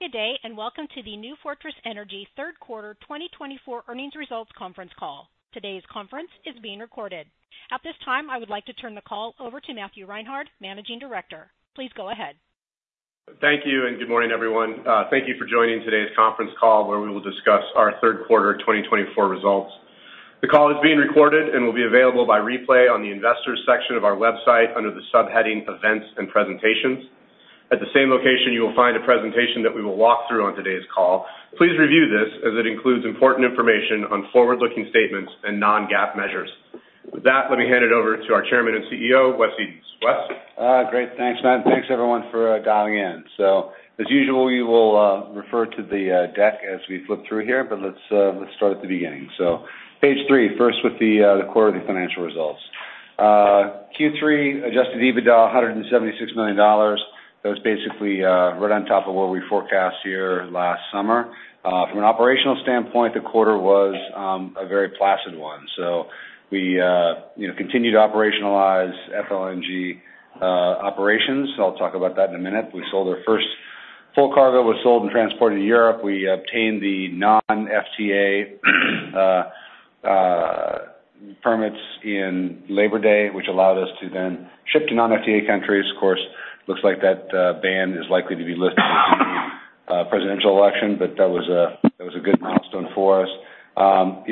Good day, and welcome to the New Fortress Energy Q3 2024 earnings results conference call. Today's conference is being recorded. At this time, I would like to turn the call over to Matthew Reinhard, Managing Director. Please go ahead. Thank you, and good morning, everyone. Thank you for joining today's conference call, where we will discuss our Q3 2024 results. The call is being recorded and will be available by replay on the investors' section of our website under the subheading Events and Presentations. At the same location, you will find a presentation that we will walk through on today's call. Please review this, as it includes important information on forward-looking statements and non-GAAP measures. With that, let me hand it over to our Chairman and CEO, Wesley Edens. Wes? Great. Thanks, Matt. And thanks, everyone, for dialing in. So, as usual, we will refer to the deck as we flip through here, but let's start at the beginning. So, page three, first with the quarterly financial results. Q3 Adjusted EBITDA $176 million. That was basically right on top of what we forecast here last summer. From an operational standpoint, the quarter was a very placid one. So, we continued to operationalize FLNG operations. I'll talk about that in a minute. We sold our first full cargo, was sold and transported to Europe. We obtained the Non-FTA permits in Labor Day, which allowed us to then ship to Non-FTA countries. Of course, it looks like that ban is likely to be lifted in the presidential election, but that was a good milestone for us.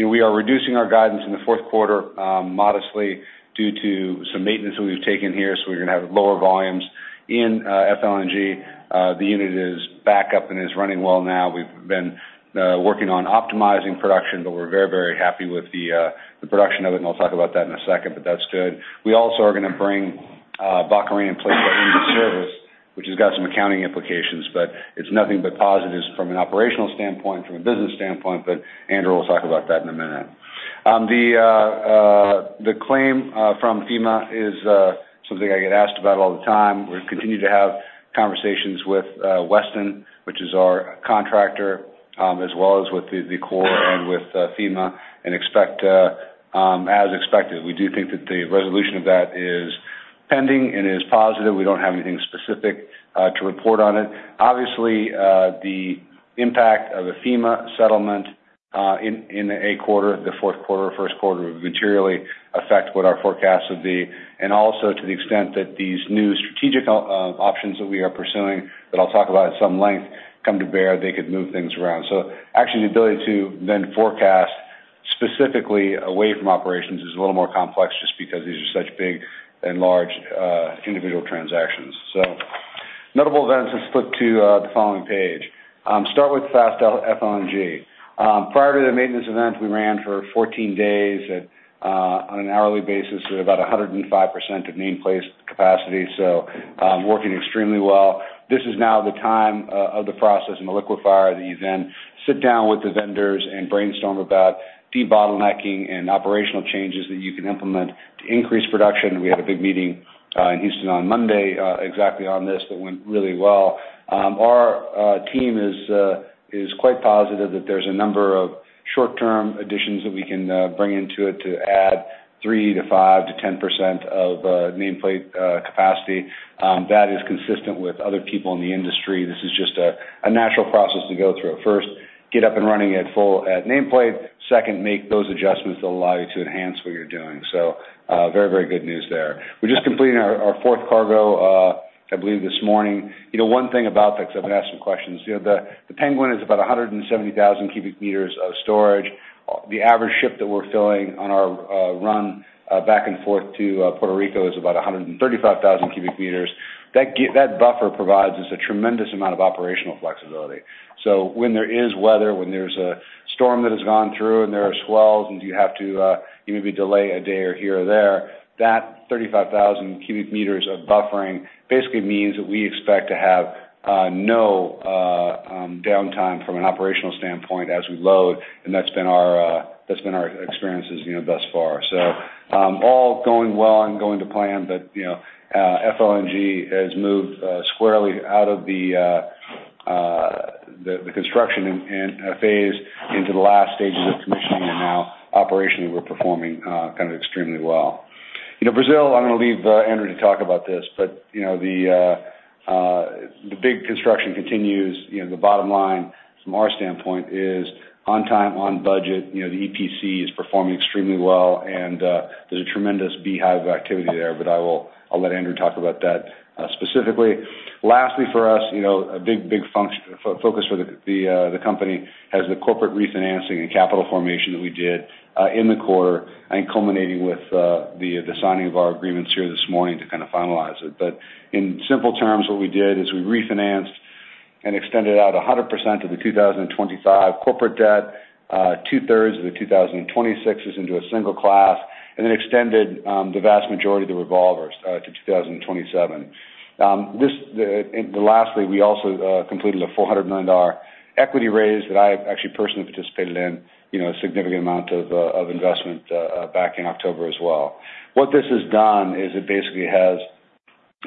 We are reducing our guidance in the Q4 modestly due to some maintenance that we've taken here, so we're going to have lower volumes in FLNG. The unit is back up and is running well now. We've been working on optimizing production, but we're very, very happy with the production of it, and I'll talk about that in a second, but that's good. We also are going to bring Barcarena and place that into service, which has got some accounting implications, but it's nothing but positives from an operational standpoint, from a business standpoint, but Andrew will talk about that in a minute. The claim from FEMA is something I get asked about all the time. We continue to have conversations with Weston, which is our contractor, as well as with the Corps and with FEMA, and expect as expected. We do think that the resolution of that is pending and is positive. We don't have anything specific to report on it. Obviously, the impact of a FEMA settlement in a quarter, the Q4 or Q1, would materially affect what our forecasts would be. And also, to the extent that these new strategic options that we are pursuing that I'll talk about in some length come to bear, they could move things around. So, actually, the ability to then forecast specifically away from operations is a little more complex just because these are such big and large individual transactions. Notable events, let's flip to the following page. Start with Fast FLNG. Prior to the maintenance event, we ran for 14 days on an hourly basis at about 105% of nameplate capacity, so working extremely well. This is now the time of the process and the liquefier that you then sit down with the vendors and brainstorm about debottlenecking and operational changes that you can implement to increase production. We had a big meeting in Houston on Monday exactly on this that went really well. Our team is quite positive that there's a number of short-term additions that we can bring into it to add three to five to 10% of nameplate capacity. That is consistent with other people in the industry. This is just a natural process to go through. First, get up and running at full nameplate. Second, make those adjustments that allow you to enhance what you're doing, so very, very good news there. We're just completing our fourth cargo, I believe, this morning. One thing about that, because I've been asked some questions, the Penguin is about 170,000 cubic meters of storage. The average ship that we're filling on our run back and forth to Puerto Rico is about 135,000 cubic meters. That buffer provides us a tremendous amount of operational flexibility. So, when there is weather, when there's a storm that has gone through and there are swells and you have to maybe delay a day or two here or there, that 35,000 cubic meters of buffering basically means that we expect to have no downtime from an operational standpoint as we load, and that's been our experiences thus far, so all going well and going to plan, but FLNG has moved squarely out of the construction phase into the last stages of commissioning, and now operationally we're performing kind of extremely well. Brazil, I'm going to leave Andrew to talk about this, but the big construction continues. The bottom line from our standpoint is on time, on budget. The EPC is performing extremely well, and there's a tremendous beehive of activity there, but I'll let Andrew talk about that specifically. Lastly, for us, a big focus for the company has the corporate refinancing and capital formation that we did in the quarter, and culminating with the signing of our agreements here this morning to kind of finalize it. But in simple terms, what we did is we refinanced and extended out 100% of the 2025 corporate debt, two-thirds of the 2026 is into a single class, and then extended the vast majority of the revolvers to 2027. Lastly, we also completed a $400 million equity raise that I actually personally participated in, a significant amount of investment back in October as well. What this has done is it basically has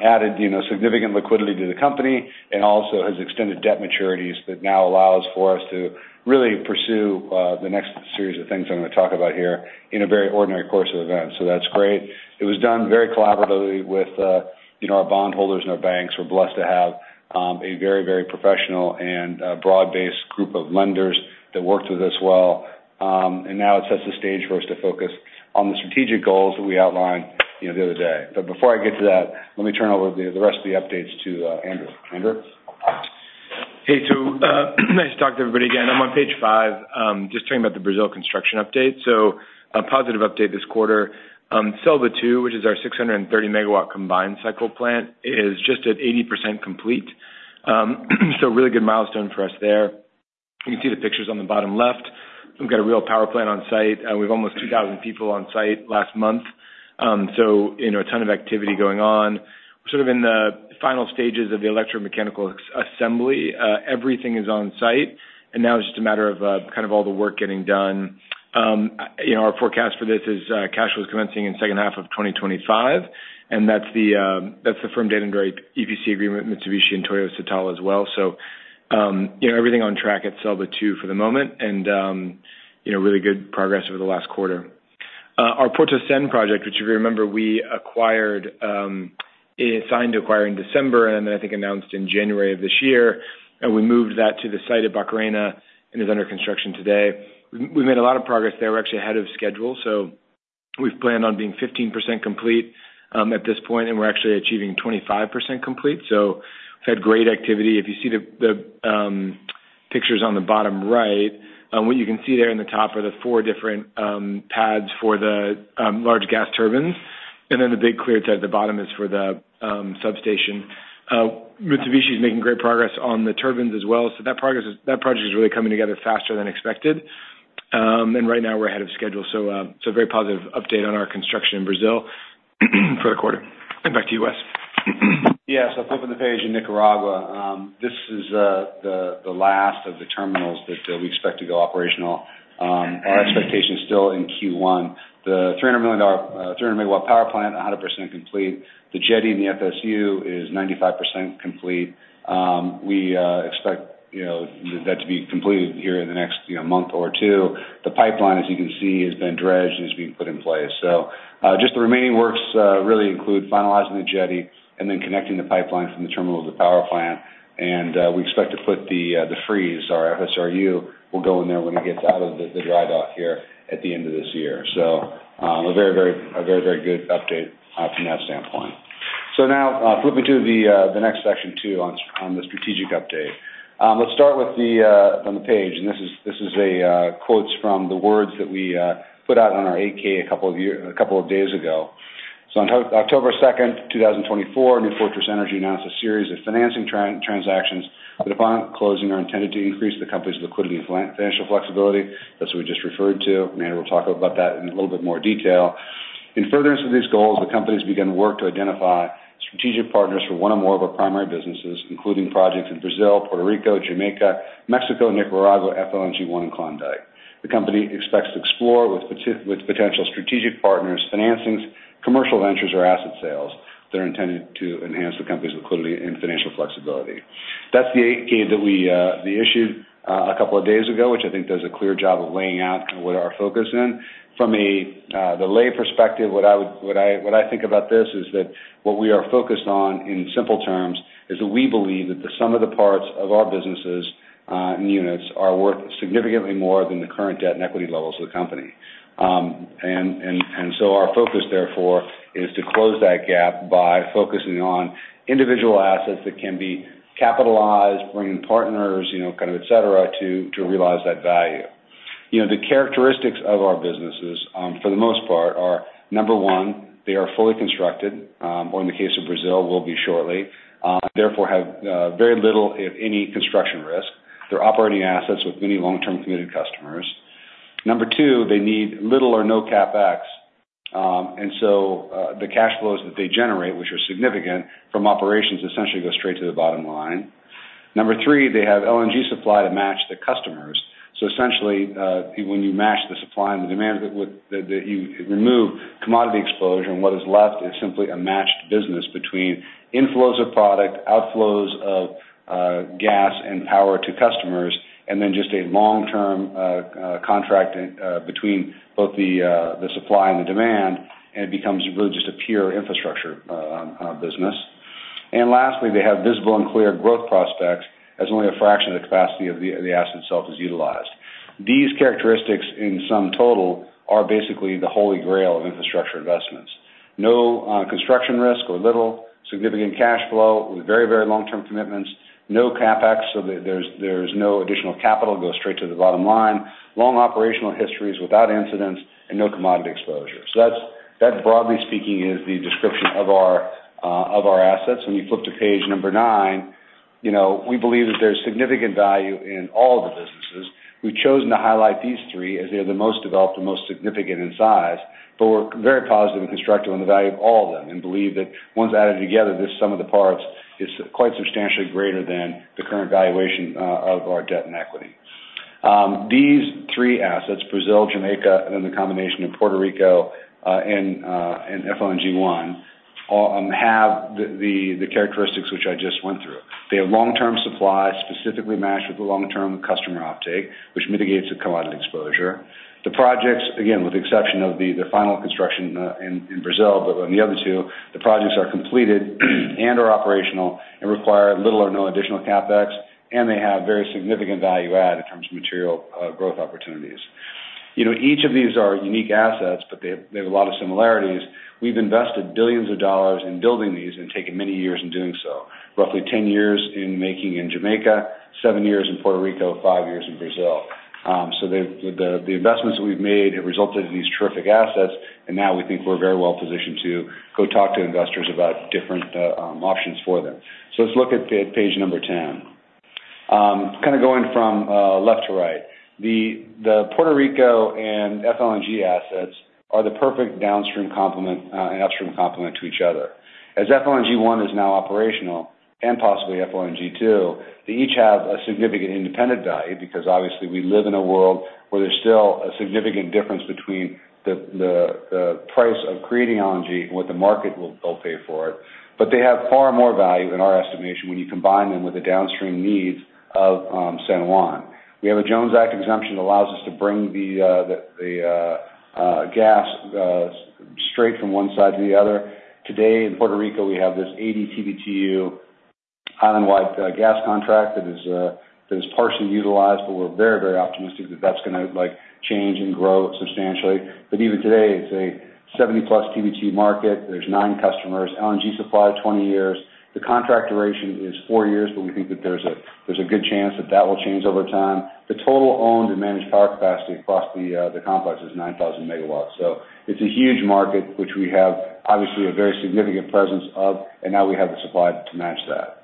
added significant liquidity to the company and also has extended debt maturities that now allows for us to really pursue the next series of things I'm going to talk about here in a very ordinary course of events. So, that's great. It was done very collaboratively with our bondholders and our banks. We're blessed to have a very, very professional and broad-based group of lenders that worked with us well, and now it sets the stage for us to focus on the strategic goals that we outlined the other day. But before I get to that, let me turn over the rest of the updates to Andrew. Andrew. Hey, too. Nice to talk to everybody again. I'm on page five, just talking about the Brazil construction update. So, a positive update this quarter. Celba 2, which is our 630 MW combined cycle plant, is just at 80% complete. So, really good milestone for us there. You can see the pictures on the bottom left. We've got a real power plant on site. We've almost 2,000 people on site last month. So, a ton of activity going on. We're sort of in the final stages of the electromechanical assembly. Everything is on site, and now it's just a matter of kind of all the work getting done. Our forecast for this is cash flows commencing in the H2 of 2025, and that's the firm date under EPC agreement, Mitsubishi and Toyota Tsusho as well. Everything on track at Celba 2 for the moment, and really good progress over the last quarter. Our Portocem project, which, if you remember, we acquired, signed to acquire in December, and then I think announced in January of this year, and we moved that to the site at Barcarena and is under construction today. We've made a lot of progress there. We're actually ahead of schedule. We've planned on being 15% complete at this point, and we're actually achieving 25% complete. We've had great activity. If you see the pictures on the bottom right, what you can see there in the top are the four different pads for the large gas turbines, and then the big crater at the bottom is for the substation. Mitsubishi is making great progress on the turbines as well. That project is really coming together faster than expected, and right now we're ahead of schedule. A very positive update on our construction in Brazil for the quarter. Back to you, Wes. Yeah. So, flip of the page in Nicaragua, this is the last of the terminals that we expect to go operational. Our expectation is still in Q1. The 300 MW power plant, 100% complete. The jetty in the FSU is 95% complete. We expect that to be completed here in the next month or two. The pipeline, as you can see, has been dredged and is being put in place. So, just the remaining works really include finalizing the jetty and then connecting the pipeline from the terminal to the power plant, and we expect to put the Freeze, our FSRU, will go in there when it gets out of the dry dock here at the end of this year. So, a very, very good update from that standpoint. So, now flipping to the next section too on the strategic update. Let's start with the page, and this is a quote from the words that we put out on our 8-K a couple of days ago. On October 2nd, 2024, New Fortress Energy announced a series of financing transactions that, upon closing, are intended to increase the company's liquidity and financial flexibility. That's what we just referred to, and Andrew will talk about that in a little bit more detail. In furtherance of these goals, the company has begun work to identify strategic partners for one or more of our primary businesses, including projects in Brazil, Puerto Rico, Jamaica, Mexico, Nicaragua, FLNG One, and Klondike. The company expects to explore with potential strategic partners financings, commercial ventures, or asset sales that are intended to enhance the company's liquidity and financial flexibility. That's the 8-K that we issued a couple of days ago, which I think does a clear job of laying out kind of what our focus is. From the lay perspective, what I think about this is that what we are focused on in simple terms is that we believe that the sum of the parts of our businesses and units are worth significantly more than the current debt and equity levels of the company. And so, our focus, therefore, is to close that gap by focusing on individual assets that can be capitalized, bringing partners, kind of etc., to realize that value. The characteristics of our businesses, for the most part, are number one, they are fully constructed, or in the case of Brazil, will be shortly. Therefore, have very little, if any, construction risk. They're operating assets with many long-term committed customers. Number two, they need little or no CapEx, and so the cash flows that they generate, which are significant from operations, essentially go straight to the bottom line. Number three, they have LNG supply to match the customers. So, essentially, when you match the supply and the demand that you remove commodity exposure, and what is left is simply a matched business between inflows of product, outflows of gas and power to customers, and then just a long-term contract between both the supply and the demand, and it becomes really just a pure infrastructure business. And lastly, they have visible and clear growth prospects as only a fraction of the capacity of the asset itself is utilized. These characteristics in sum total are basically the holy grail of infrastructure investments. No construction risk or little significant cash flow with very, very long-term commitments, no CapEx, so there's no additional capital goes straight to the bottom line, long operational histories without incidents, and no commodity exposure. So, that broadly speaking is the description of our assets. When you flip to page number nine, we believe that there's significant value in all of the businesses. We've chosen to highlight these three as they're the most developed and most significant in size, but we're very positive and constructive on the value of all of them and believe that once added together, this sum of the parts is quite substantially greater than the current valuation of our debt and equity. These three assets, Brazil, Jamaica, and then the combination of Puerto Rico and FLNG One, have the characteristics which I just went through. They have long-term supply specifically matched with the long-term customer uptake, which mitigates the commodity exposure. The projects, again, with the exception of the final construction in Brazil, but on the other two, the projects are completed and are operational and require little or no additional CapEx, and they have very significant value add in terms of material growth opportunities. Each of these are unique assets, but they have a lot of similarities. We've invested billions of dollars in building these and taken many years in doing so, roughly 10 years in making in Jamaica, seven years in Puerto Rico, five years in Brazil. So, the investments that we've made have resulted in these terrific assets, and now we think we're very well positioned to go talk to investors about different options for them. So, let's look at page number 10. Kind of going from left to right, the Puerto Rico and FLNG assets are the perfect downstream complement and upstream complement to each other. As FLNG One is now operational and possibly FLNG Two, they each have a significant independent value because, obviously, we live in a world where there's still a significant difference between the price of creating LNG and what the market will pay for it, but they have far more value in our estimation when you combine them with the downstream needs of San Juan. We have a Jones Act exemption that allows us to bring the gas straight from one side to the other. Today, in Puerto Rico, we have this 80 TBTU island-wide gas contract that is partially utilized, but we're very, very optimistic that that's going to change and grow substantially. But even today, it's a 70-plus TBTU market. There's nine customers, LNG supply of 20 years. The contract duration is four years, but we think that there's a good chance that that will change over time. The total owned and managed power capacity across the complex is 9,000 MW. So, it's a huge market, which we have obviously a very significant presence of, and now we have the supply to match that.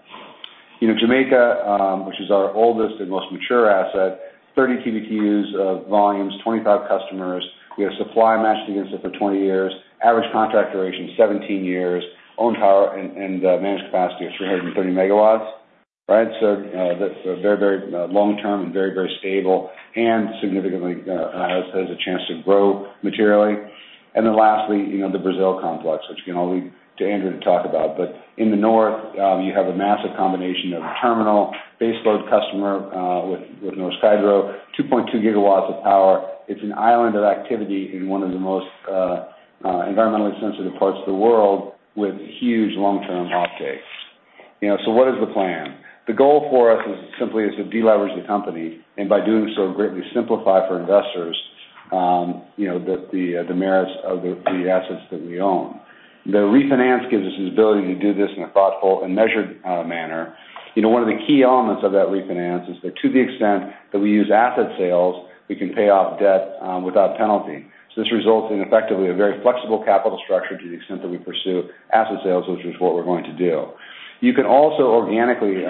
Jamaica, which is our oldest and most mature asset, 30 TBTUs of volumes, 25 customers. We have supply matched against it for 20 years. Average contract duration is 17 years. Owned power and managed capacity of 330 MW, right? So, very, very long-term and very, very stable and significantly has a chance to grow materially. And then lastly, the Brazil complex, which again, I'll leave to Andrew to talk about, but in the north, you have a massive combination of terminal, baseload customer with Norsk Hydro, 2.2 GW of power. It's an island of activity in one of the most environmentally sensitive parts of the world with huge long-term uptake. So, what is the plan? The goal for us is simply to deleverage the company and, by doing so, greatly simplify for investors the merits of the assets that we own. The refinance gives us the ability to do this in a thoughtful and measured manner. One of the key elements of that refinance is that to the extent that we use asset sales, we can pay off debt without penalty. So, this results in effectively a very flexible capital structure to the extent that we pursue asset sales, which is what we're going to do. You can also organically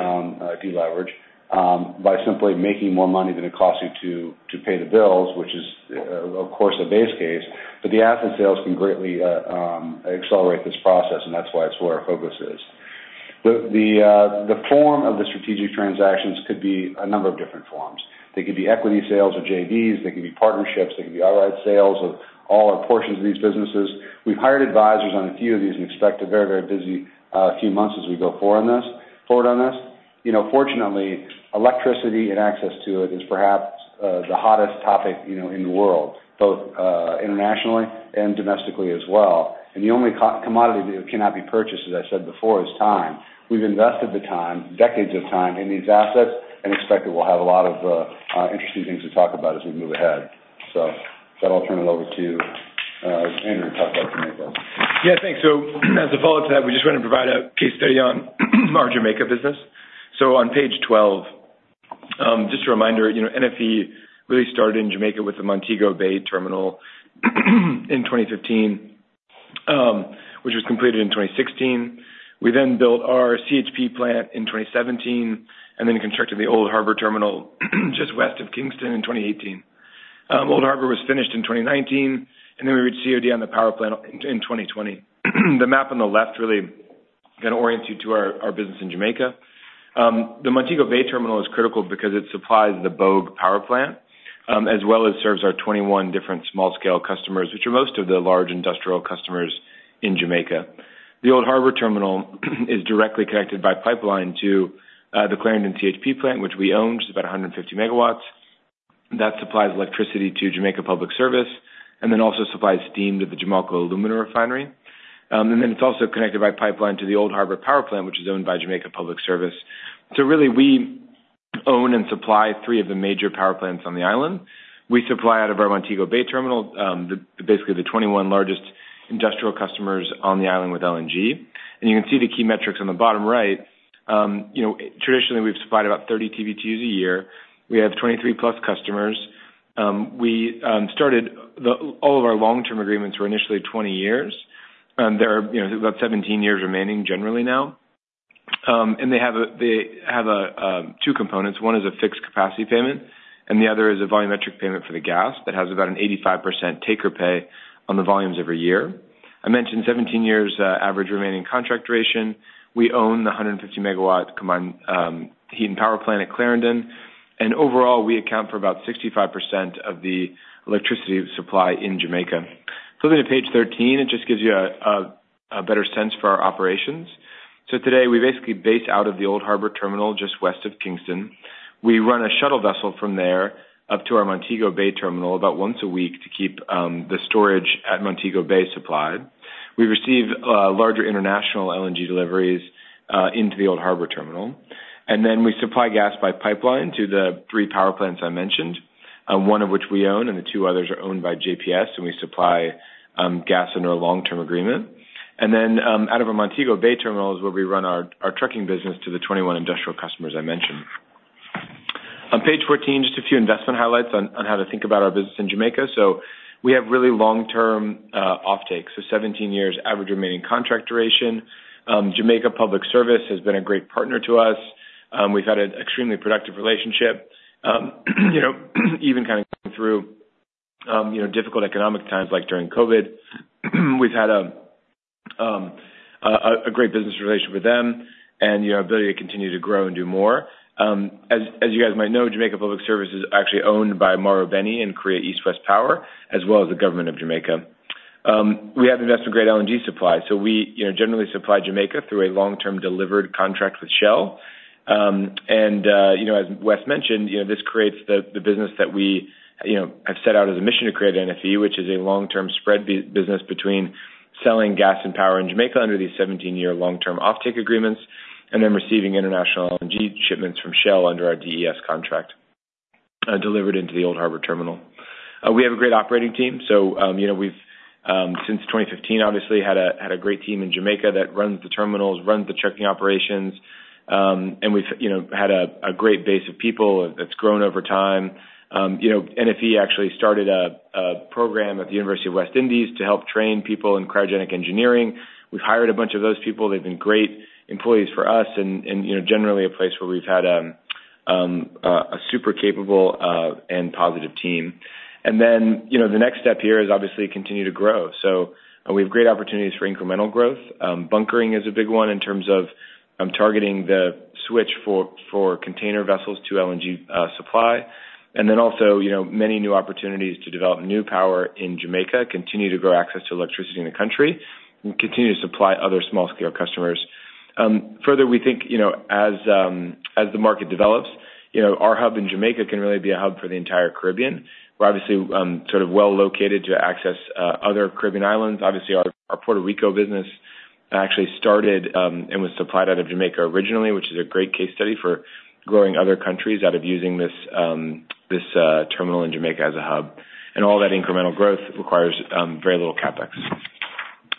deleverage by simply making more money than it costs you to pay the bills, which is, of course, a base case, but the asset sales can greatly accelerate this process, and that's why it's where our focus is. The form of the strategic transactions could be a number of different forms. They could be equity sales or JVs. They could be partnerships. They could be outright sales of all or portions of these businesses. We've hired advisors on a few of these and expect a very, very busy few months as we go forward on this. Fortunately, electricity and access to it is perhaps the hottest topic in the world, both internationally and domestically as well. And the only commodity that cannot be purchased, as I said before, is time. We've invested the time, decades of time, in these assets and expect that we'll have a lot of interesting things to talk about as we move ahead. So, that I'll turn it over to Andrew to talk about Jamaica. Yeah. Thanks. So, as a follow-up to that, we just wanted to provide a case study on our Jamaica business. So, on page 12, just a reminder, NFE really started in Jamaica with the Montego Bay terminal in 2015, which was completed in 2016. We then built our CHP plant in 2017 and then constructed the Old Harbour terminal just west of Kingston in 2018. Old Harbour was finished in 2019, and then we reached COD on the power plant in 2020. The map on the left really kind of orients you to our business in Jamaica. The Montego Bay terminal is critical because it supplies the Bogue power plant, as well as serves our 21 different small-scale customers, which are most of the large industrial customers in Jamaica. The Old Harbour terminal is directly connected by pipeline to the Clarendon CHP plant, which we own, which is about 150 MW. That supplies electricity to Jamaica Public Service and then also supplies steam to the Jamalco aluminum refinery, and then it's also connected by pipeline to the Old Harbour power plant, which is owned by Jamaica Public Service, so really we own and supply three of the major power plants on the island. We supply out of our Montego Bay terminal basically the 21 largest industrial customers on the island with LNG, and you can see the key metrics on the bottom right. Traditionally, we've supplied about 30 TBTUs a year. We have 23-plus customers. We started all of our long-term agreements were initially 20 years. There are about 17 years remaining generally now, and they have two components. One is a fixed capacity payment, and the other is a volumetric payment for the gas that has about an 85% take or pay on the volumes every year. I mentioned 17 years average remaining contract duration. We own the 150 MW combined heat and power plant at Clarendon, and overall, we account for about 65% of the electricity supply in Jamaica. Flipping to page 13, it just gives you a better sense for our operations. So, today, we basically base out of the Old Harbour terminal just west of Kingston. We run a shuttle vessel from there up to our Montego Bay terminal about once a week to keep the storage at Montego Bay supplied. We receive larger international LNG deliveries into the Old Harbour terminal. And then we supply gas by pipeline to the three power plants I mentioned, one of which we own, and the two others are owned by JPS, and we supply gas under a long-term agreement. And then out of our Montego Bay terminal is where we run our trucking business to the 21 industrial customers I mentioned. On page 14, just a few investment highlights on how to think about our business in Jamaica. So, we have really long-term offtake. So, 17 years average remaining contract duration. Jamaica Public Service has been a great partner to us. We've had an extremely productive relationship, even kind of through difficult economic times like during COVID. We've had a great business relationship with them and the ability to continue to grow and do more. As you guys might know, Jamaica Public Service is actually owned by Marubeni and Korea East-West Power, as well as the government of Jamaica. We have investment-grade LNG supply, so we generally supply Jamaica through a long-term delivered contract with Shell. And as Wes mentioned, this creates the business that we have set out as a mission to create NFE, which is a long-term spread business between selling gas and power in Jamaica under these 17-year long-term offtake agreements and then receiving international LNG shipments from Shell under our DES contract delivered into the Old Harbour terminal. We have a great operating team, so we've since 2015, obviously, had a great team in Jamaica that runs the terminals, runs the trucking operations, and we've had a great base of people that's grown over time. NFE actually started a program at the University of the West Indies to help train people in cryogenic engineering. We've hired a bunch of those people. They've been great employees for us and generally a place where we've had a super capable and positive team. And then the next step here is obviously continue to grow. So, we have great opportunities for incremental growth. Bunkering is a big one in terms of targeting the switch for container vessels to LNG supply. And then also many new opportunities to develop new power in Jamaica, continue to grow access to electricity in the country, and continue to supply other small-scale customers. Further, we think as the market develops, our hub in Jamaica can really be a hub for the entire Caribbean. We're obviously sort of well located to access other Caribbean islands. Obviously, our Puerto Rico business actually started and was supplied out of Jamaica originally, which is a great case study for growing other countries out of using this terminal in Jamaica as a hub, and all that incremental growth requires very little CapEx.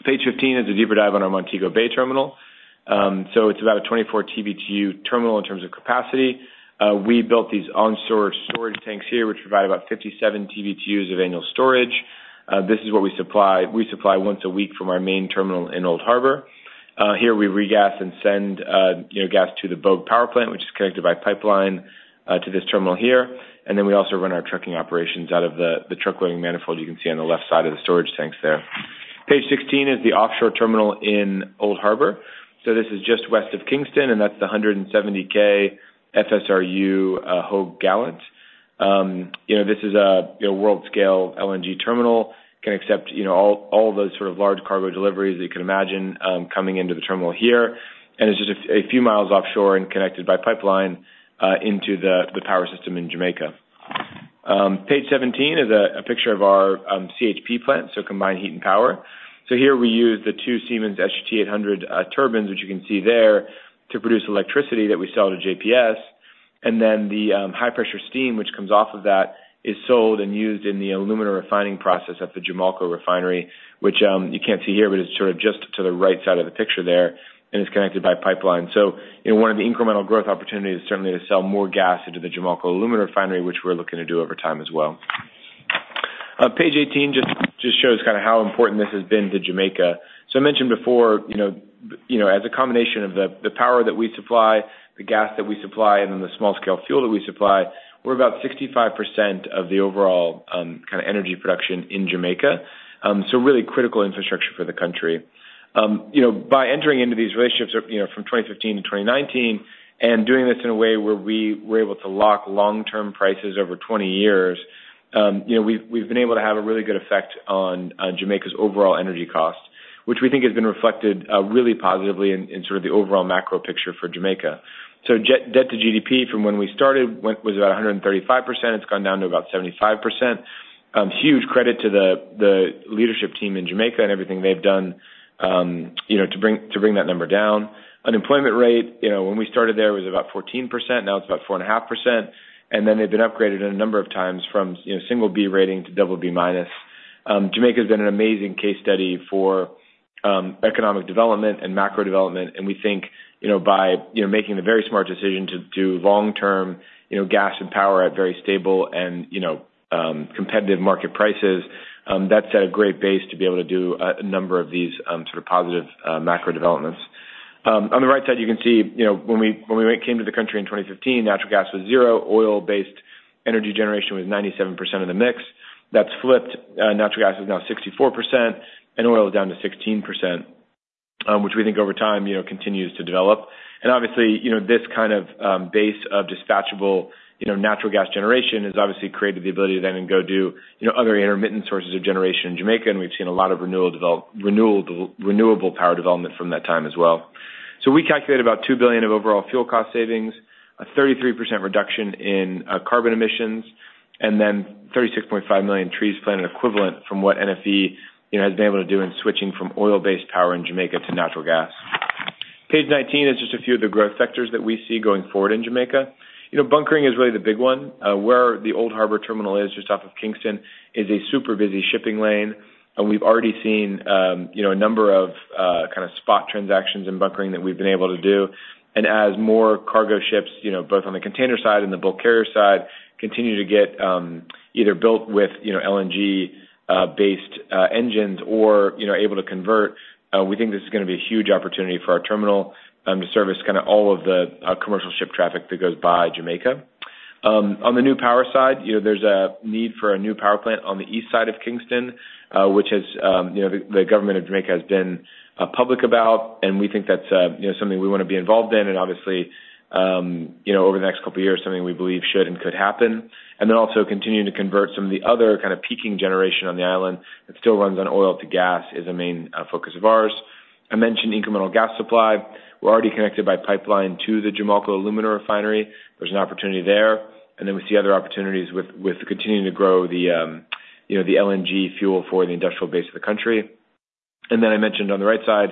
Page 15 is a deeper dive on our Montego Bay terminal, so it's about a 24 TBTU terminal in terms of capacity. We built these onshore storage tanks here, which provide about 57 TBTUs of annual storage. This is what we supply. We supply once a week from our main terminal in Old Harbour. Here, we regas and send gas to the Bogue power plant, which is connected by pipeline to this terminal here, and then we also run our trucking operations out of the truckloading manifold you can see on the left side of the storage tanks there. Page 16 is the offshore terminal in Old Harbour, so this is just west of Kingston, and that's the 170K FSRU Höegh Gallant. This is a world-scale LNG terminal. It can accept all those sort of large cargo deliveries that you can imagine coming into the terminal here. And it's just a few miles offshore and connected by pipeline into the power system in Jamaica. Page 17 is a picture of our CHP plant, so combined heat and power, so here we use the two Siemens SGT 800 turbines, which you can see there, to produce electricity that we sell to JPS, and then the high-pressure steam, which comes off of that, is sold and used in the aluminum refining process at the Jamalco refinery, which you can't see here, but it's sort of just to the right side of the picture there, and it's connected by pipeline. One of the incremental growth opportunities is certainly to sell more gas into the Jamalco aluminum refinery, which we're looking to do over time as well. Page 18 just shows kind of how important this has been to Jamaica. I mentioned before, as a combination of the power that we supply, the gas that we supply, and then the small-scale fuel that we supply, we're about 65% of the overall kind of energy production in Jamaica. Really critical infrastructure for the country. By entering into these relationships from 2015 to 2019 and doing this in a way where we were able to lock long-term prices over 20 years, we've been able to have a really good effect on Jamaica's overall energy cost, which we think has been reflected really positively in sort of the overall macro picture for Jamaica. So, debt to GDP from when we started was about 135%. It's gone down to about 75%. Huge credit to the leadership team in Jamaica and everything they've done to bring that number down. Unemployment rate, when we started there, was about 14%. Now it's about 4.5%. And then they've been upgraded a number of times from single B rating to double B minus. Jamaica has been an amazing case study for economic development and macro development. And we think by making the very smart decision to do long-term gas and power at very stable and competitive market prices, that set a great base to be able to do a number of these sort of positive macro developments. On the right side, you can see when we came to the country in 2015, natural gas was zero. Oil-based energy generation was 97% of the mix. That's flipped. Natural gas is now 64%, and oil is down to 16%, which we think over time continues to develop. And obviously, this kind of base of dispatchable natural gas generation has obviously created the ability to then go do other intermittent sources of generation in Jamaica. And we've seen a lot of renewable power development from that time as well. So, we calculated about $2 billion of overall fuel cost savings, a 33% reduction in carbon emissions, and then 36.5 million trees planted equivalent from what NFE has been able to do in switching from oil-based power in Jamaica to natural gas. Page 19 is just a few of the growth factors that we see going forward in Jamaica. Bunkering is really the big one. Where the Old Harbour terminal is just off of Kingston is a super busy shipping lane. We've already seen a number of kind of spot transactions in bunkering that we've been able to do, and as more cargo ships, both on the container side and the bulk carrier side, continue to get either built with LNG-based engines or able to convert, we think this is going to be a huge opportunity for our terminal to service kind of all of the commercial ship traffic that goes by Jamaica. On the new power side, there's a need for a new power plant on the east side of Kingston, which the government of Jamaica has been public about, and we think that's something we want to be involved in, and obviously, over the next couple of years, something we believe should and could happen. And then also continue to convert some of the other kind of peaking generation on the island that still runs on oil to gas is a main focus of ours. I mentioned incremental gas supply. We're already connected by pipeline to the Jamalco aluminum refinery. There's an opportunity there. And then we see other opportunities with continuing to grow the LNG fuel for the industrial base of the country. And then I mentioned on the right side,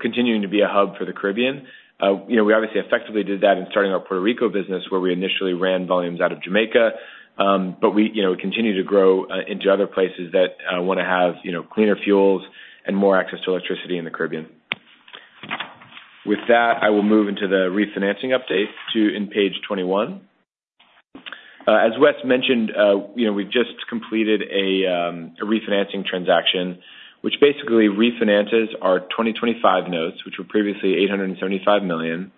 continuing to be a hub for the Caribbean. We obviously effectively did that in starting our Puerto Rico business, where we initially ran volumes out of Jamaica. But we continue to grow into other places that want to have cleaner fuels and more access to electricity in the Caribbean. With that, I will move into the refinancing update to page 21. As Wes mentioned, we've just completed a refinancing transaction, which basically refinances our 2025 notes, which were previously $875 million,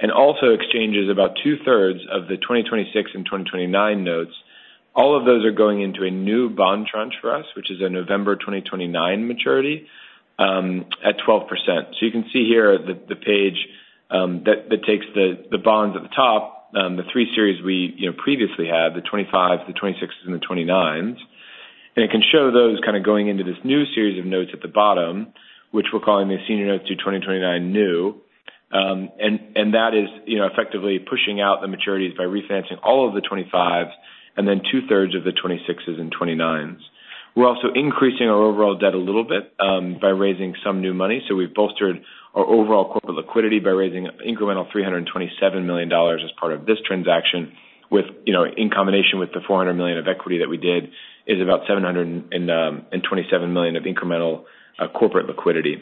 and also exchanges about two-thirds of the 2026 and 2029 notes. All of those are going into a new bond tranche for us, which is a November 2029 maturity at 12%. So, you can see here the page that takes the bonds at the top, the three series we previously had, the 25s, the 26s, and the 29s. And it can show those kind of going into this new series of notes at the bottom, which we're calling the Senior Notes to 2029 New. And that is effectively pushing out the maturities by refinancing all of the 25s and then two-thirds of the 26s and 29s. We're also increasing our overall debt a little bit by raising some new money. So, we've bolstered our overall corporate liquidity by raising incremental $327 million as part of this transaction, which in combination with the $400 million of equity that we did is about $727 million of incremental corporate liquidity.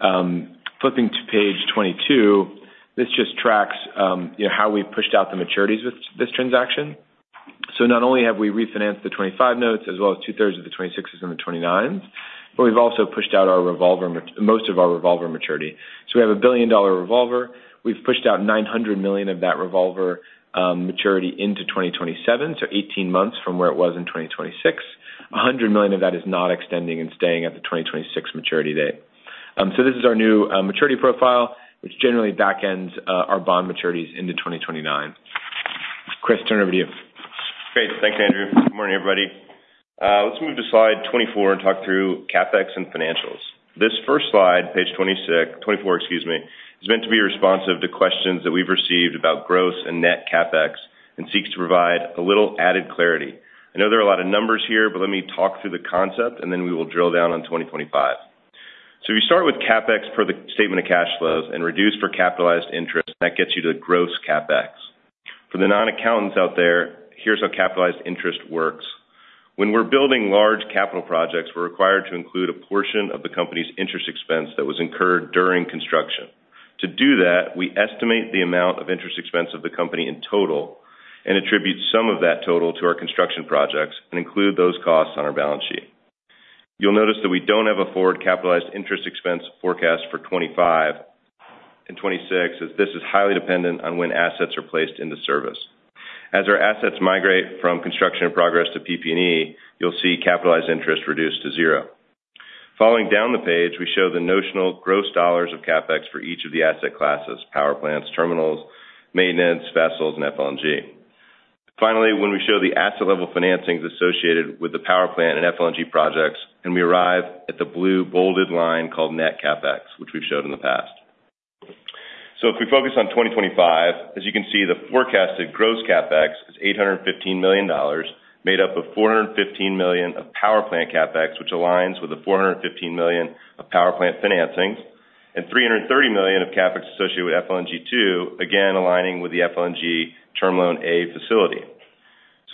Flipping to page 22, this just tracks how we pushed out the maturities with this transaction. So, not only have we refinanced the 25 notes as well as two-thirds of the 26s and the 29s, but we've also pushed out most of our revolver maturity. So, we have a billion-dollar revolver. We've pushed out $900 million of that revolver maturity into 2027, so 18 months from where it was in 2026. $100 million of that is not extending and staying at the 2026 maturity date. So, this is our new maturity profile, which generally backends our bond maturities into 2029. Chris, turn over to you. Great. Thanks, Andrew. Good morning, everybody. Let's move to slide 24 and talk through CapEx and financials. This first slide, page 24, excuse me, is meant to be responsive to questions that we've received about growth and net CapEx and seeks to provide a little added clarity. I know there are a lot of numbers here, but let me talk through the concept, and then we will drill down on 2025. So, we start with CapEx per the statement of cash flows and reduce for capitalized interest. That gets you to gross CapEx. For the non-accountants out there, here's how capitalized interest works. When we're building large capital projects, we're required to include a portion of the company's interest expense that was incurred during construction. To do that, we estimate the amount of interest expense of the company in total and attribute some of that total to our construction projects and include those costs on our balance sheet. You'll notice that we don't have a forward capitalized interest expense forecast for 2025 and 2026, as this is highly dependent on when assets are placed into service. As our assets migrate from construction in progress to PP&E, you'll see capitalized interest reduced to zero. Following down the page, we show the notional gross dollars of CapEx for each of the asset classes: power plants, terminals, maintenance, vessels, and FLNG. Finally, when we show the asset-level financings associated with the power plant and FLNG projects, and we arrive at the blue bolded line called net CapEx, which we've showed in the past. So, if we focus on 2025, as you can see, the forecasted gross CapEx is $815 million, made up of $415 million of power plant CapEx, which aligns with the $415 million of power plant financings, and $330 million of CapEx associated with FLNG too, again aligning with the FLNG Term Loan A facility.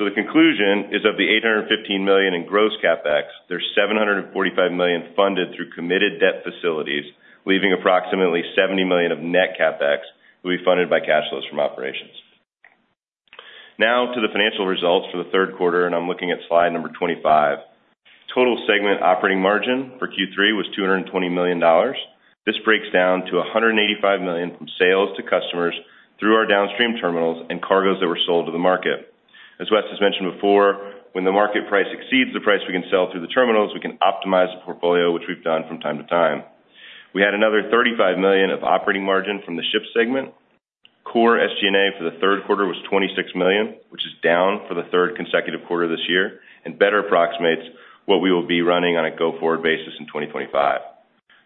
So, the conclusion is of the $815 million in gross CapEx, there's $745 million funded through committed debt facilities, leaving approximately $70 million of net CapEx to be funded by cash flows from operations. Now to the financial results for the Q3, and I'm looking at slide number 25. Total segment operating margin for Q3 was $220 million. This breaks down to $185 million from sales to customers through our downstream terminals and cargoes that were sold to the market. As Wes has mentioned before, when the market price exceeds the price we can sell through the terminals, we can optimize the portfolio, which we've done from time to time. We had another $35 million of operating margin from the ship segment. Core SG&A for the Q3 was $26 million, which is down for the third consecutive quarter this year and better approximates what we will be running on a go-forward basis in 2025.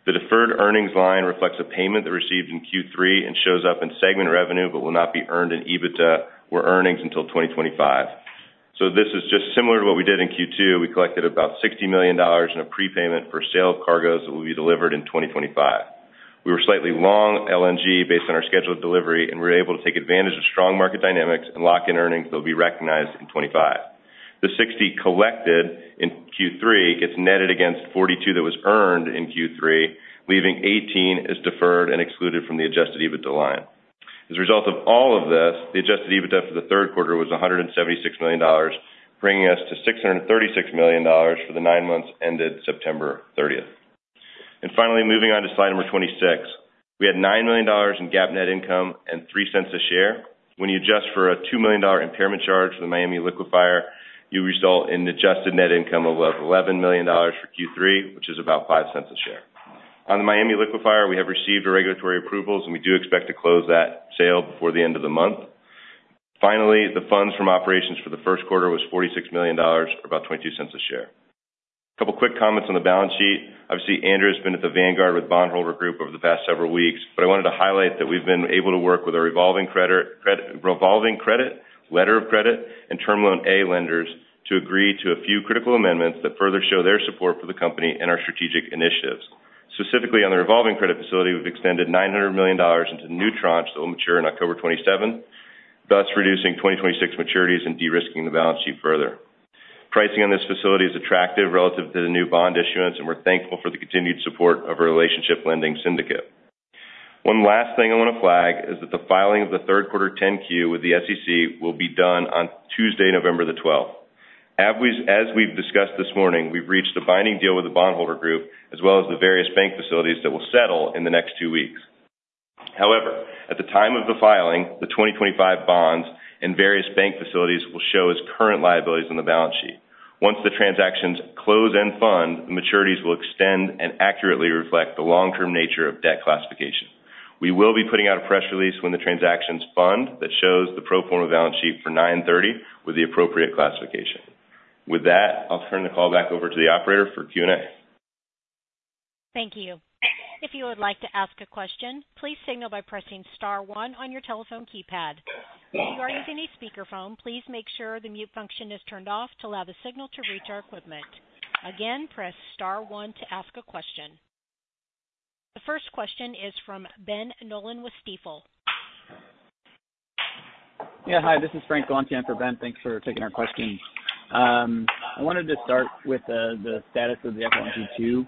The deferred earnings line reflects a payment that we received in Q3 and shows up in segment revenue, but will not be earned in EBITDA or earnings until 2025. So, this is just similar to what we did in Q2. We collected about $60 million in a prepayment for sale of cargoes that will be delivered in 2025. We were slightly long LNG based on our schedule of delivery, and we were able to take advantage of strong market dynamics and lock in earnings that will be recognized in 2025. The $60 collected in Q3 gets netted against $42 that was earned in Q3, leaving $18 as deferred and excluded from the Adjusted EBITDA line. As a result of all of this, the Adjusted EBITDA for the Q3 was $176 million, bringing us to $636 million for the nine months ended September 30th, and finally, moving on to slide number 26, we had $9 million in GAAP net income and $0.03 a share. When you adjust for a $2 million impairment charge for the Miami Liquefier, you result in an Adjusted Net Income of $11 million for Q3, which is about $0.05 a share. On the Miami Liquefier, we have received regulatory approvals, and we do expect to close that sale before the end of the month. Finally, the funds from operations for the Q1 was $46 million, or about $0.22 a share. A couple of quick comments on the balance sheet. Obviously, Andrew has been at the vanguard with Bondholder Group over the past several weeks, but I wanted to highlight that we've been able to work with a revolving credit, letter of credit, and Term Loan A lenders to agree to a few critical amendments that further show their support for the company and our strategic initiatives. Specifically, on the revolving credit facility, we've extended $900 million into new tranches that will mature on October 27th, thus reducing 2026 maturities and de-risking the balance sheet further. Pricing on this facility is attractive relative to the new bond issuance, and we're thankful for the continued support of our relationship lending syndicate. One last thing I want to flag is that the filing of the Q3 10-Q with the SEC will be done on Tuesday, November the 12th. As we've discussed this morning, we've reached a binding deal with the Bondholder Group as well as the various bank facilities that will settle in the next two weeks. However, at the time of the filing, the 2025 bonds and various bank facilities will show as current liabilities on the balance sheet. Once the transactions close and fund, the maturities will extend and accurately reflect the long-term nature of debt classification. We will be putting out a press release when the transactions fund that shows the pro forma balance sheet for 930 with the appropriate classification. With that, I'll turn the call back over to the operator for Q&A. Thank you. If you would like to ask a question, please signal by pressing Star one on your telephone keypad. If you are using a speakerphone, please make sure the mute function is turned off to allow the signal to reach our equipment. Again, press Star one to ask a question. The first question is from Ben Nolan with Stifel. Yeah, hi. This is Frank Galanti for Ben. Thanks for taking our questions. I wanted to start with the status of the FLNG Two.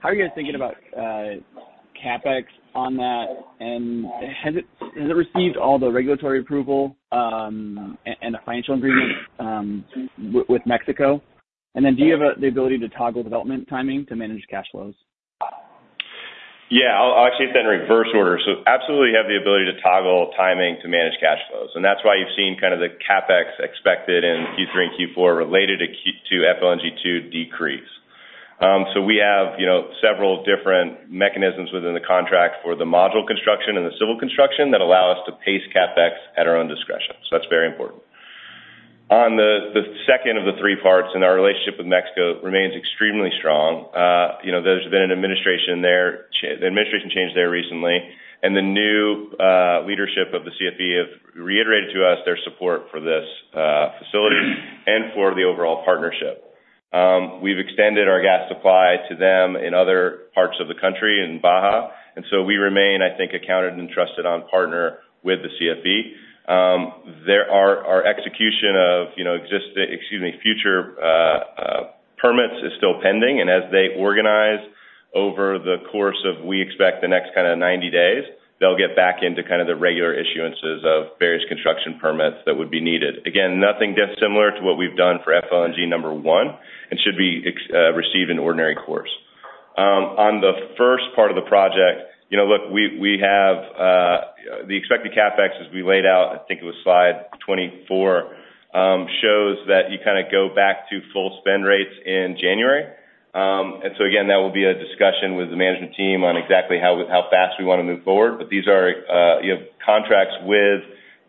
How are you guys thinking about CapEx on that? And has it received all the regulatory approval and the financial agreement with Mexico? And then do you have the ability to toggle development timing to manage cash flows? Yeah. I'll actually hit that in reverse order. We absolutely have the ability to toggle timing to manage cash flows. That's why you've seen kind of the CapEx expected in Q3 and Q4 related to FLNG Two decrease. We have several different mechanisms within the contract for the module construction and the civil construction that allow us to pace CapEx at our own discretion. That's very important. On the second of the three parts, our relationship with Mexico remains extremely strong. There's been an administration change there recently, and the new leadership of the CFE has reiterated to us their support for this facility and for the overall partnership. We've extended our gas supply to them in other parts of the country, in Baja. We remain, I think, accounted and trusted on partner with the CFE. Our execution of future permits is still pending. As they organize over the course of, we expect the next kind of 90 days, they'll get back into kind of the regular issuances of various construction permits that would be needed. Again, nothing dissimilar to what we've done for FLNG number one and should be received in ordinary course. On the first part of the project, look, we have the expected CapEx as we laid out, I think it was slide 24, shows that you kind of go back to full spend rates in January. Again, that will be a discussion with the management team on exactly how fast we want to move forward. But you have contracts with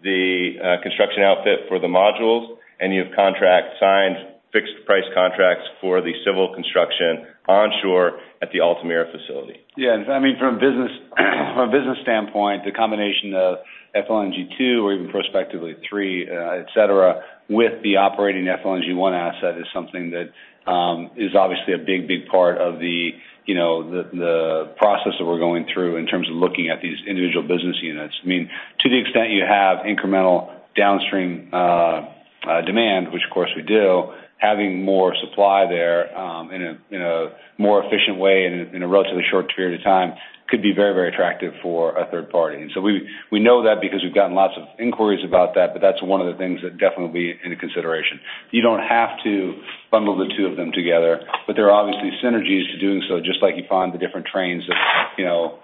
the construction outfit for the modules, and you have contract signed fixed price contracts for the civil construction onshore at the Altamira facility. Yeah. I mean, from a business standpoint, the combination of FLNG Two, or even prospectively three, etc., with the operating FLNG One asset is something that is obviously a big, big part of the process that we're going through in terms of looking at these individual business units. I mean, to the extent you have incremental downstream demand, which of course we do, having more supply there in a more efficient way in a relatively short period of time could be very, very attractive for a third party. And so, we know that because we've gotten lots of inquiries about that, but that's one of the things that definitely will be into consideration. You don't have to bundle the two of them together, but there are obviously synergies to doing so, just like you find the different trains of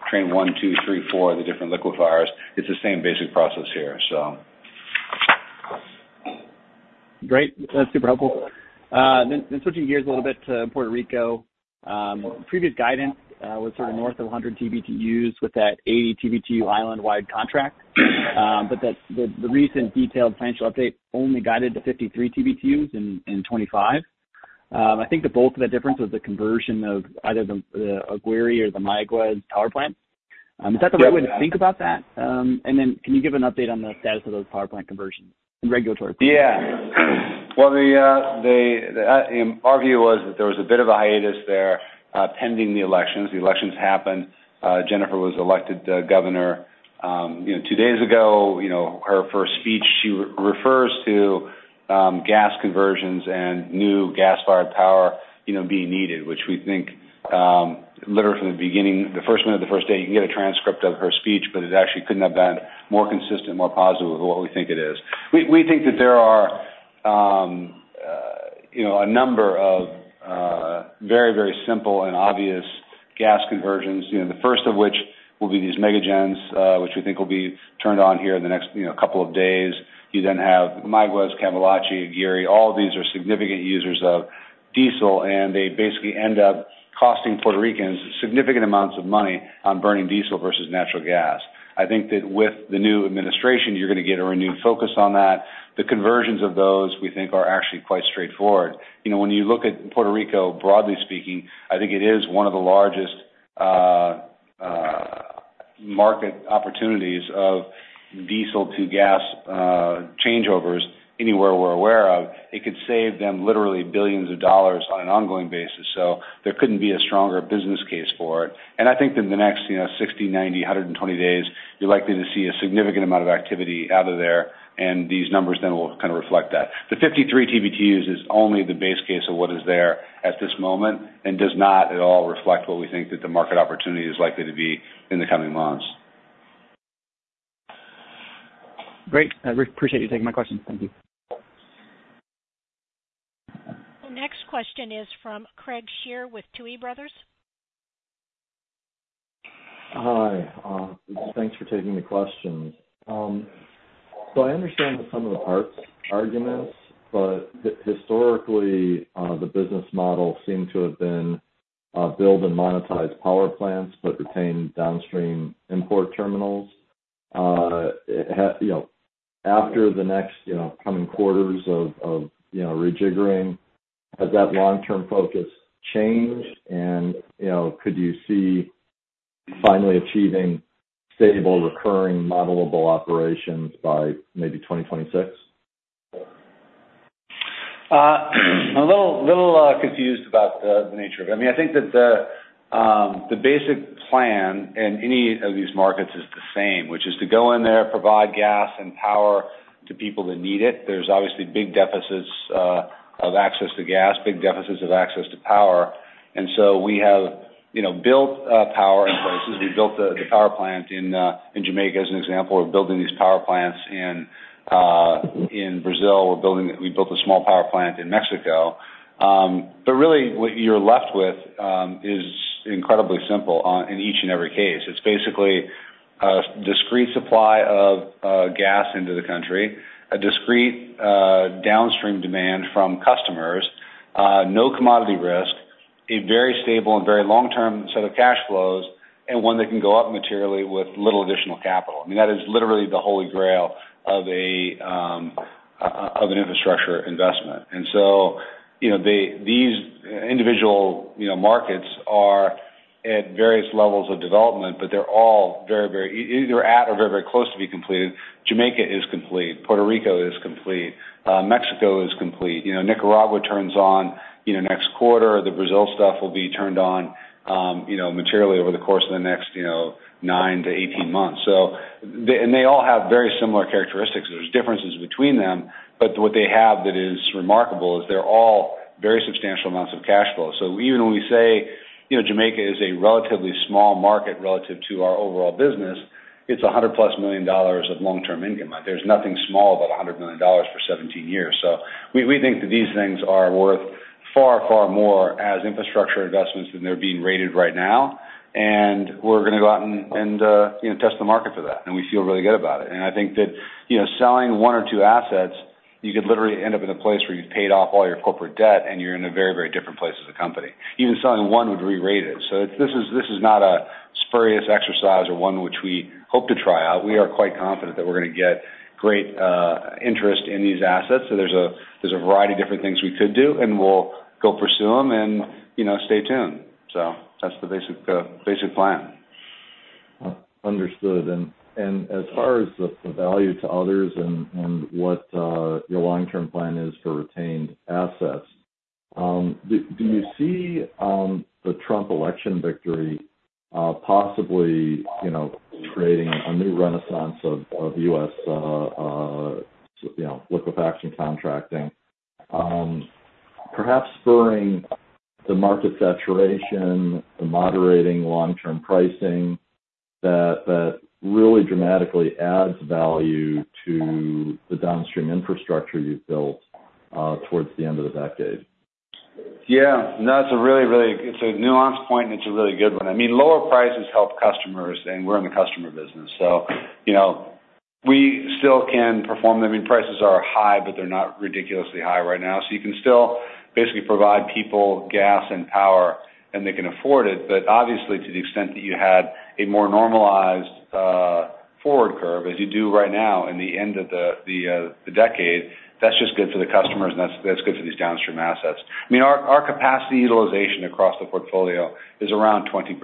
train one, two, three, four, the different liquefiers. It's the same basic process here, so. Great. That's super helpful. Then switching gears a little bit to Puerto Rico. Previous guidance was sort of north of 100 TBTUs with that 80 TBTU island-wide contract, but the recent detailed financial update only guided to 53 TBTUs in 2025. I think the bulk of that difference was the conversion of either the Aguirre or the Mayagüez power plants. Is that the right way to think about that? And then can you give an update on the status of those power plant conversions and regulatory? Yeah. Well, our view was that there was a bit of a hiatus there pending the elections. The elections happened. Jenniffer was elected governor two days ago. Her first speech, she refers to gas conversions and new gas-fired power being needed, which we think literally from the beginning, the first minute of the first day. You can get a transcript of her speech, but it actually couldn't have been more consistent, more positive of what we think it is. We think that there are a number of very, very simple and obvious gas conversions, the first of which will be these mega gens, which we think will be turned on here in the next couple of days. You then have Mayagüez, Cambalache, Aguirre. All of these are significant users of diesel, and they basically end up costing Puerto Ricans significant amounts of money on burning diesel versus natural gas. I think that with the new administration, you're going to get a renewed focus on that. The conversions of those, we think, are actually quite straightforward. When you look at Puerto Rico, broadly speaking, I think it is one of the largest market opportunities of diesel to gas changeovers anywhere we're aware of. It could save them literally billions of dollars on an ongoing basis. So, there couldn't be a stronger business case for it. And I think in the next 60, 90, 120 days, you're likely to see a significant amount of activity out of there, and these numbers then will kind of reflect that. The 53 TBTUs is only the base case of what is there at this moment and does not at all reflect what we think that the market opportunity is likely to be in the coming months. Great. I appreciate you taking my questions. Thank you. The next question is from Craig Shere with Tuohy Brothers. Hi. Thanks for taking the question. So, I understand that some of the parts. Arguments, but historically, the business model seemed to have been build and monetize power plants but retain downstream import terminals. After the next coming quarters of rejiggering, has that long-term focus changed, and could you see finally achieving stable, recurring, modelable operations by maybe 2026? I'm a little confused about the nature of it. I mean, I think that the basic plan in any of these markets is the same, which is to go in there, provide gas and power to people that need it. There's obviously big deficits of access to gas, big deficits of access to power. And so, we have built power in places. We built the power plant in Jamaica as an example. We're building these power plants in Brazil. We built a small power plant in Mexico. But really, what you're left with is incredibly simple in each and every case. It's basically a discrete supply of gas into the country, a discrete downstream demand from customers, no commodity risk, a very stable and very long-term set of cash flows, and one that can go up materially with little additional capital. I mean, that is literally the holy grail of an infrastructure investment. These individual markets are at various levels of development, but they're all very, very either at or very, very close to be completed. Jamaica is complete. Puerto Rico is complete. Mexico is complete. Nicaragua turns on next quarter. The Brazil stuff will be turned on materially over the course of the next nine to 18 months. They all have very similar characteristics. There's differences between them, but what they have that is remarkable is they're all very substantial amounts of cash flow. So, even when we say Jamaica is a relatively small market relative to our overall business, it's $100+ million of long-term income. There's nothing small about $100 million for 17 years. So, we think that these things are worth far, far more as infrastructure investments than they're being rated right now. And we're going to go out and test the market for that, and we feel really good about it. And I think that selling one or two assets, you could literally end up in a place where you've paid off all your corporate debt, and you're in a very, very different place as a company. Even selling one would re-rate. So, this is not a spurious exercise or one which we hope to try out. We are quite confident that we're going to get great interest in these assets. So, there's a variety of different things we could do, and we'll go pursue them and stay tuned. So, that's the basic plan. Understood, and as far as the value to others and what your long-term plan is for retained assets, do you see the Trump election victory possibly creating a new renaissance of U.S. liquefaction contracting, perhaps spurring the market saturation, the moderating long-term pricing that really dramatically adds value to the downstream infrastructure you've built towards the end of the decade? Yeah. No, it's a really, really nuanced point, and it's a really good one. I mean, lower prices help customers, and we're in the customer business. So, we still can perform. I mean, prices are high, but they're not ridiculously high right now. So, you can still basically provide people gas and power, and they can afford it. But obviously, to the extent that you had a more normalized forward curve as you do right now in the end of the decade, that's just good for the customers, and that's good for these downstream assets. I mean, our capacity utilization across the portfolio is around 20%.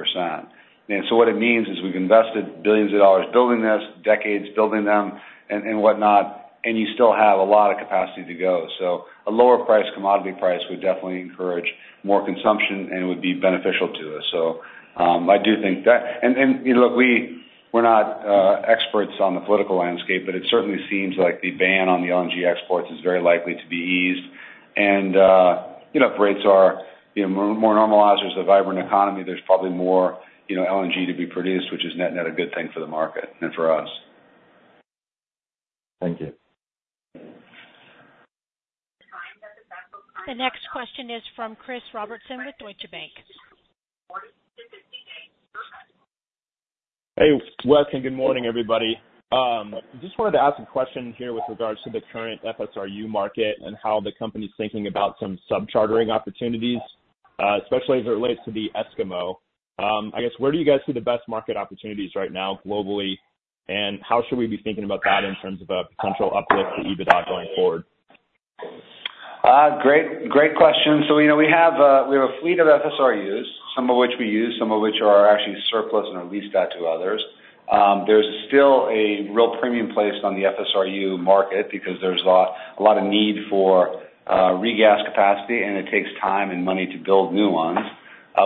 And so, what it means is we've invested billions of dollars building this, decades building them and whatnot, and you still have a lot of capacity to go. So, a lower price, commodity price would definitely encourage more consumption, and it would be beneficial to us. So, I do think that. And look, we're not experts on the political landscape, but it certainly seems like the ban on the LNG exports is very likely to be eased. And if rates are more normalized or it's a vibrant economy, there's probably more LNG to be produced, which is net-net a good thing for the market and for us. Thank you. The next question is from Chris Robertson with Deutsche Bank. Hey, Wesley. Good morning, everybody. Just wanted to ask a question here with regards to the current FSRU market and how the company's thinking about some subchartering opportunities, especially as it relates to the Eskimo. I guess, where do you guys see the best market opportunities right now globally, and how should we be thinking about that in terms of a potential uplift to EBITDA going forward? Great question. So, we have a fleet of FSRUs, some of which we use, some of which are actually surplus and are leased out to others. There's still a real premium place on the FSRU market because there's a lot of need for regas capacity, and it takes time and money to build new ones.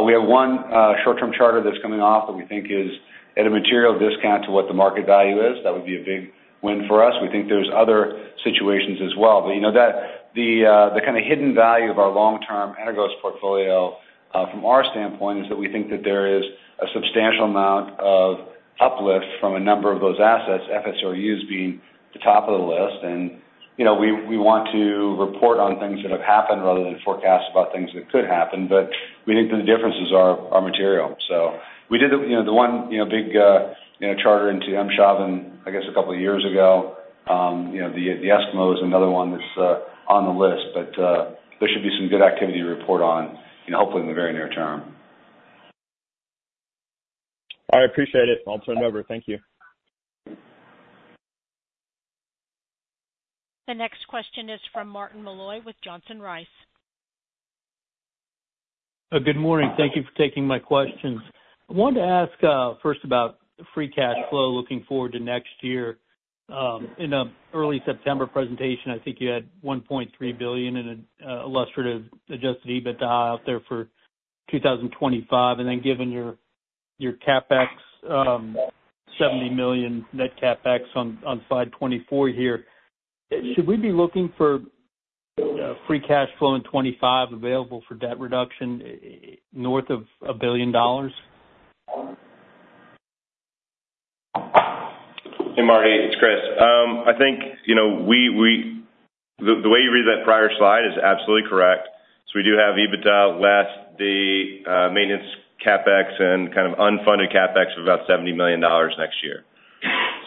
We have one short-term charter that's coming off that we think is at a material discount to what the market value is. That would be a big win for us. We think there's other situations as well. But the kind of hidden value of our long-term Energos portfolio from our standpoint is that we think that there is a substantial amount of uplift from a number of those assets, FSRUs being the top of the list. And we want to report on things that have happened rather than forecast about things that could happen, but we think that the differences are material. So, we did the one big charter into Eemshaven, I guess, a couple of years ago. The Eskimo is another one that's on the list, but there should be some good activity to report on, hopefully in the very near term. I appreciate it. I'll turn it over. Thank you. The next question is from Martin Malloy with Johnson Rice. Good morning. Thank you for taking my questions. I wanted to ask first about free cash flow looking forward to next year. In an early September presentation, I think you had $1.3 billion in an illustrative Adjusted EBITDA out there for 2025. And then given your CapEx, $70 million net CapEx on slide 24 here, should we be looking for free cash flow in 2025 available for debt reduction north of $1 billion? Hey, Marty. It's Chris. I think the way you read that prior slide is absolutely correct. So, we do have EBITDA less the maintenance CapEx and kind of unfunded CapEx of about $70 million next year.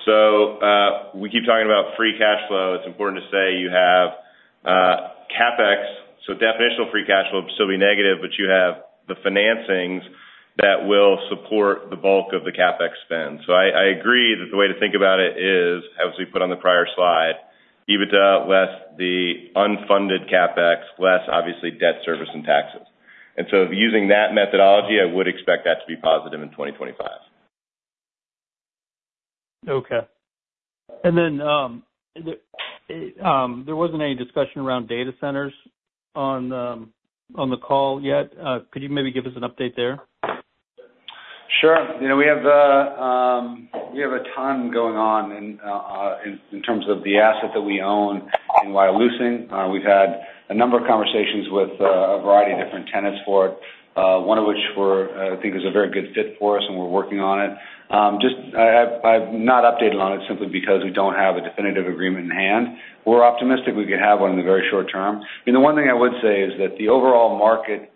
So, we keep talking about free cash flow. It's important to say you have CapEx. So, definitional free cash flow would still be negative, but you have the financings that will support the bulk of the CapEx spend. So, I agree that the way to think about it is, as we put on the prior slide, EBITDA less the unfunded CapEx, less obviously debt service and taxes. And so, using that methodology, I would expect that to be positive in 2025. Okay. And then there wasn't any discussion around data centers on the call yet. Could you maybe give us an update there? Sure. We have a ton going on in terms of the asset that we own in Wyalusing. We've had a number of conversations with a variety of different tenants for it, one of which I think is a very good fit for us, and we're working on it. I'm not updated on it simply because we don't have a definitive agreement in hand. We're optimistic we could have one in the very short term. The one thing I would say is that the overall market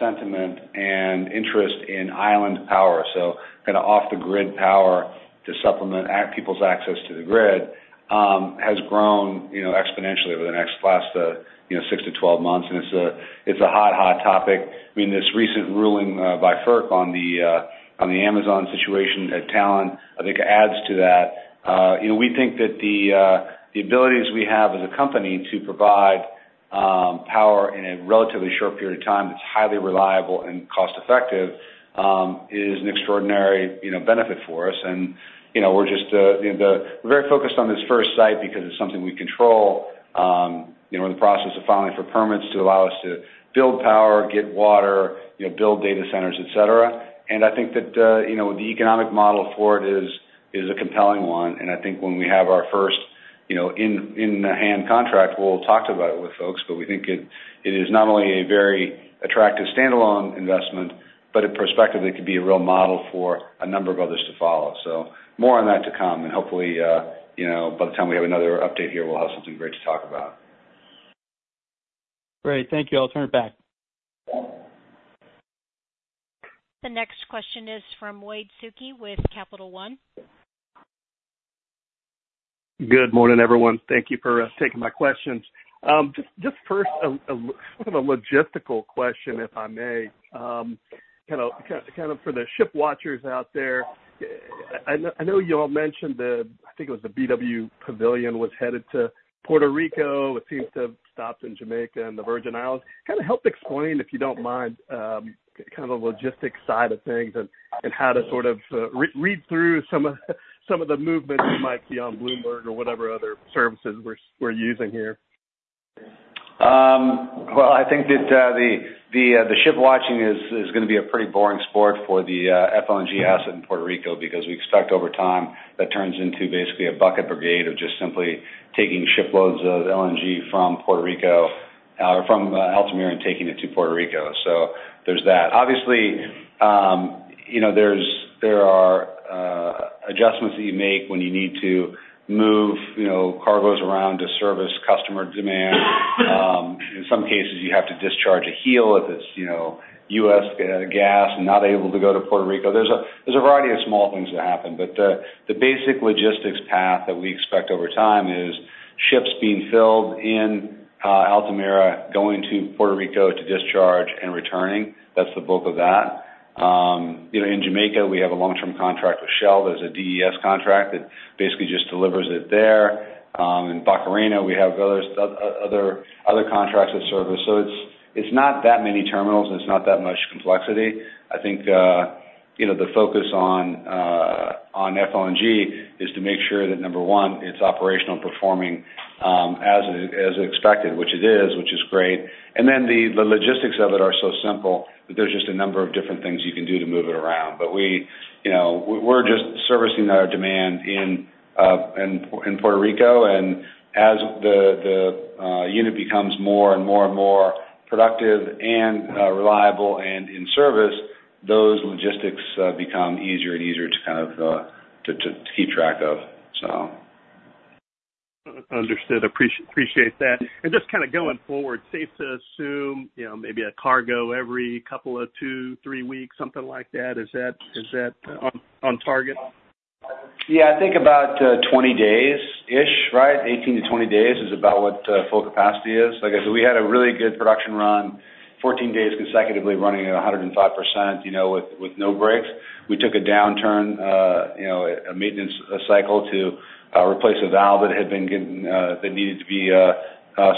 sentiment and interest in island power, so kind of off-the-grid power to supplement people's access to the grid, has grown exponentially over the next last 6 to 12 months. It's a hot, hot topic. I mean, this recent ruling by FERC on the Amazon situation at Talen, I think adds to that. We think that the abilities we have as a company to provide power in a relatively short period of time that's highly reliable and cost-effective is an extraordinary benefit for us. And we're just very focused on this first site because it's something we control. We're in the process of filing for permits to allow us to build power, get water, build data centers, etc. And I think that the economic model for it is a compelling one. And I think when we have our first in-the-hand contract, we'll talk about it with folks, but we think it is not only a very attractive standalone investment, but in perspective, it could be a real model for a number of others to follow. So, more on that to come. And hopefully, by the time we have another update here, we'll have something great to talk about. Great. Thank you. I'll turn it back. The next question is from Wade Suki with Capital One. Good morning, everyone. Thank you for taking my questions. Just first, sort of a logistical question, if I may, kind of for the ship watchers out there. I know you all mentioned that I think it was the BW Pavilion was headed to Puerto Rico. It seems to have stopped in Jamaica and the Virgin Islands. Kind of help explain, if you don't mind, kind of the logistics side of things and how to sort of read through some of the movements you might see on Bloomberg or whatever other services we're using here. I think that the ship watching is going to be a pretty boring sport for the FLNG asset in Puerto Rico because we expect over time that turns into basically a bucket brigade of just simply taking shiploads of LNG from Puerto Rico or from Altamira and taking it to Puerto Rico. There's that. Obviously, there are adjustments that you make when you need to move cargoes around to service customer demand. In some cases, you have to discharge a heel if it's U.S. gas and not able to go to Puerto Rico. There's a variety of small things that happen. The basic logistics path that we expect over time is ships being filled in Altamira, going to Puerto Rico to discharge and returning. That's the bulk of that. In Jamaica, we have a long-term contract with Shell. There's a DES contract that basically just delivers it there. In Barcarena, we have other contracts that service. So, it's not that many terminals, and it's not that much complexity. I think the focus on FLNG is to make sure that, number one, it's operational and performing as expected, which it is, which is great, and then the logistics of it are so simple that there's just a number of different things you can do to move it around, but we're just servicing our demand in Puerto Rico, and as the unit becomes more and more and more productive and reliable and in service, those logistics become easier and easier to kind of keep track of, so. Understood. Appreciate that, and just kind of going forward, safe to assume maybe a cargo every couple of two, three weeks, something like that. Is that on target? Yeah. I think about 20 days-ish, right? 18-20 days is about what full capacity is. Like I said, we had a really good production run, 14 days consecutively running at 105% with no breaks. We took a downturn, a maintenance cycle to replace a valve that had been getting that needed to be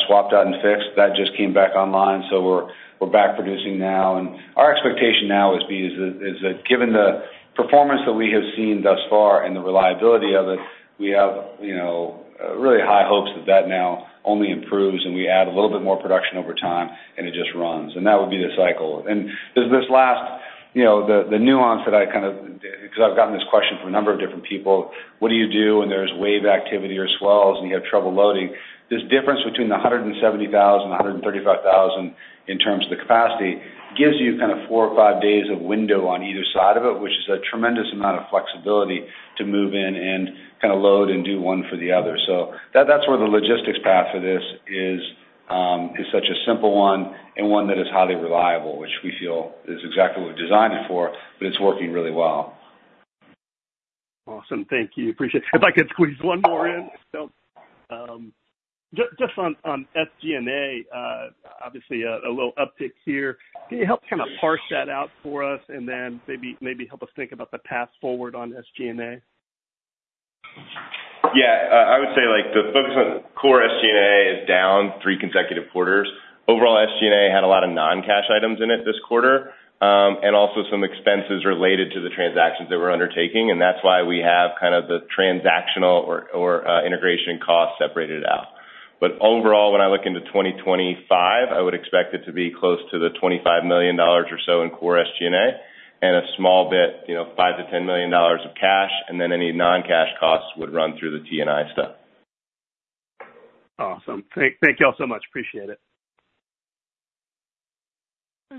swapped out and fixed. That just came back online, so we're back producing now. And our expectation now is that given the performance that we have seen thus far and the reliability of it, we have really high hopes that that now only improves and we add a little bit more production over time and it just runs, and that would be the cycle. And this last, the nuance that I kind of because I've gotten this question from a number of different people, what do you do when there's wave activity or swells and you have trouble loading? This difference between the 170,000 and 135,000 in terms of the capacity gives you kind of four or five days of window on either side of it, which is a tremendous amount of flexibility to move in and kind of load and do one for the other. So, that's where the logistics path for this is such a simple one and one that is highly reliable, which we feel is exactly what we've designed it for, but it's working really well. Awesome. Thank you. Appreciate it. If I could squeeze one more in. Just on SG&A, obviously a little uptick here. Can you help kind of parse that out for us and then maybe help us think about the path forward on SG&A? Yeah. I would say the focus on core SG&A is down three consecutive quarters. Overall, SG&A had a lot of non-cash items in it this quarter and also some expenses related to the transactions that we're undertaking. And that's why we have kind of the transactional or integration costs separated out. But overall, when I look into 2025, I would expect it to be close to the $25 million or so in core SG&A and a small bit, $5-$10 million of cash, and then any non-cash costs would run through the T&I stuff. Awesome. Thank y'all so much. Appreciate it.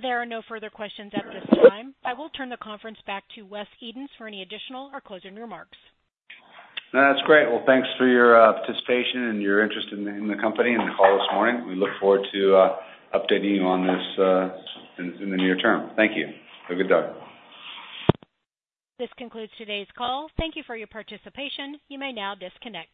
There are no further questions at this time. I will turn the conference back to Wes Edens for any additional or closing remarks. That's great. Thanks for your participation and your interest in the company and the call this morning. We look forward to updating you on this in the near term. Thank you. Have a good day. This concludes today's call. Thank you for your participation. You may now disconnect.